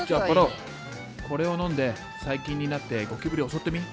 おこれを飲んで細菌になってゴキブリ襲ってみ。